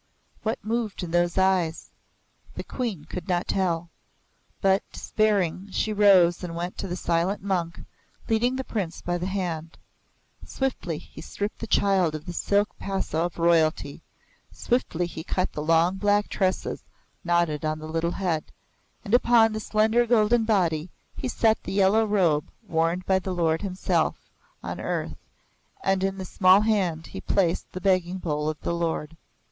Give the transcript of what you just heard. What moved in those eyes? The Queen could not tell. But despairing, she rose and went to the silent monk, leading the Prince by the hand. Swiftly he stripped the child of the silk pasoh of royalty, swiftly he cut the long black tresses knotted on the little head, and upon the slender golden body he set the yellow robe worn by the Lord Himself on earth, and in the small hand he placed the begging bowl of the Lord.